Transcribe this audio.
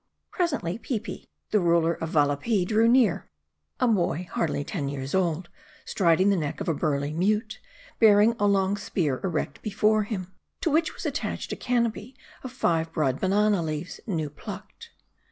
Presently, Peepi, the ruler of Valapee drew near : a boy, hardly ten years old, striding the neck of a burly mute, bearing a long spear erect before him, to which was attach ed a canopy of five broad banana leaves, new plucked.